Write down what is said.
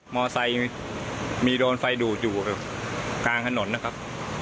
อไซค์ยังมีโดนไฟดูดอยู่กลางถนนนะครับ